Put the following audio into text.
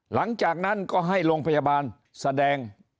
หลังจากนั้นก็ให้โรงพยาบาลแสดง